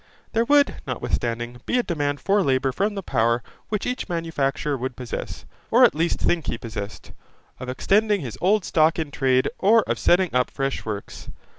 There would, notwithstanding, be a demand for labour from the power which each manufacturer would possess, or at least think he possessed, of extending his old stock in trade or of setting up fresh works.